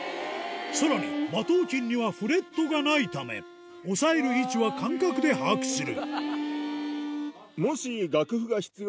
さらに馬頭琴にはフレットがないため押さえる位置は感覚で把握する